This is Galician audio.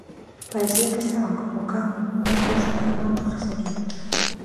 Parecía que estaban convocando un concurso para unha hamburguesería.